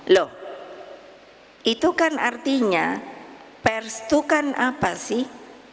loh itu kan artinya pers itu kan apa sih